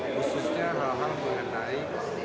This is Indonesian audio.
khususnya hal hal mengenai